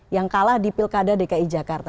yang kalah di pilkada dki jakarta